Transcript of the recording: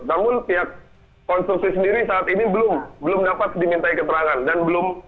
namun pihak konstruksi sendiri saat ini belum dapat diminta keterangan